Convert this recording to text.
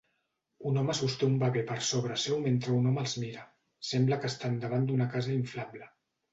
Un home sosté un bebè per sobre seu mentre un home els mira. Sembla que estan davant d'una casa inflable.